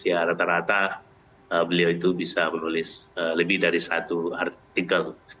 ya rata rata beliau itu bisa menulis lebih dari satu artikel